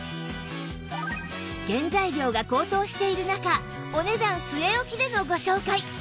原材料が高騰している中お値段据え置きでのご紹介！